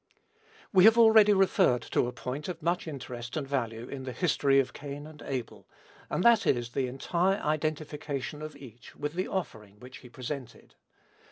We have already referred to a point of much interest and value in the history of Cain and Abel, and that is, the entire identification of each with the offering which he presented.